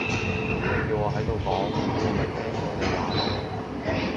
噉你叫我喺度講，我咪聽咗你話囉